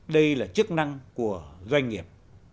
đây là chức năng của doanh nghiệp